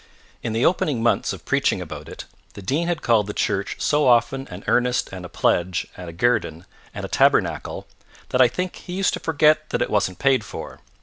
In the opening months of preaching about it the Dean had called the church so often an earnest and a pledge and a guerdon and a tabernacle, that I think he used to forget that it wasn't paid for.